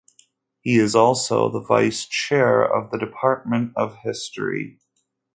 He is also the vice chair of the Department of History.